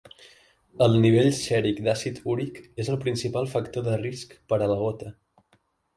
El nivell sèric d'àcid úric és el principal factor de risc per a la gota.